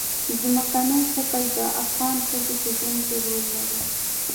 ځمکنی شکل د افغان ښځو په ژوند کې رول لري.